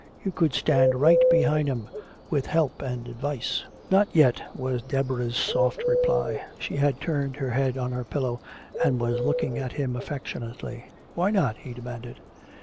You could stand right behind 'em with help and advice " "Not yet," was Deborah's soft reply. She had turned her head on her pillow and was looking at him affectionately. "Why not?" he demanded.